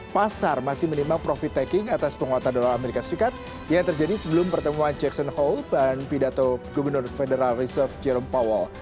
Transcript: pasar masih menimbang profit taking atas penguatan dolar as yang terjadi sebelum pertemuan jackson hall dan pidato gubernur federal reserve jerome powell